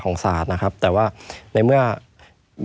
ไม่มีครับไม่มีครับ